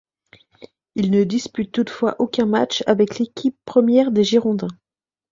Il ne dispute toutefois aucun match avec l'équipe première des Girondins.